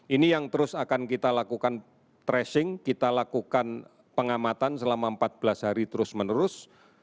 ini yang terus akan kita lakukan tracing kita lakukan pengamatan selama empat belas hari terus menerus